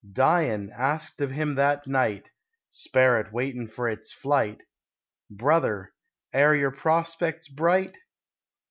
Dyin', asked of him that night (Sperrit waitin' fer its flight), "Brother, air yer prospec's bright?"